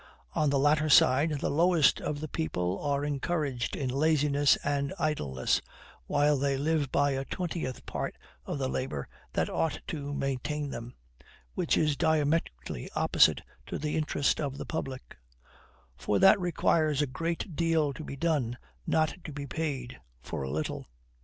On the latter side, the lowest of the people are encouraged in laziness and idleness; while they live by a twentieth part of the labor that ought to maintain them, which is diametrically opposite to the interest of the public; for that requires a great deal to be done, not to be paid, for a little.